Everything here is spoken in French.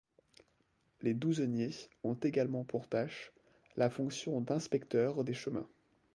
Les douzeniers ont également pour tâche, la fonction d'inspecteur des chemins.